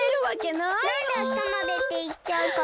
なんであしたまでっていっちゃうかなあ。